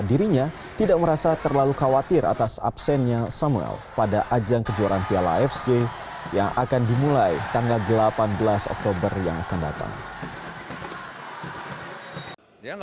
dirinya tidak merasa terlalu khawatir atas absennya samuel pada ajang kejuaraan piala afc yang akan dimulai tanggal delapan belas oktober yang akan datang